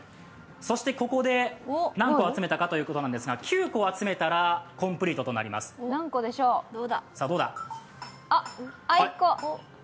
そして、ここで何個集めたかということですが、９個集めたらコンプリートとなります、さあ、どうだ。